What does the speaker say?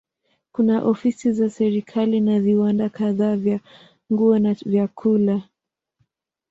Kuna ofisi za serikali na viwanda kadhaa vya nguo na vyakula.